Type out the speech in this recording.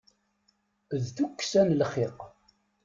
D tukksa n lxiq.